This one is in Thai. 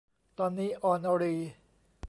ตอนนี้ อรอรีย์